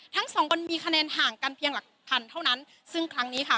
ทั้งสองคนมีคะแนนห่างกันเพียงหลักพันเท่านั้นซึ่งครั้งนี้ค่ะ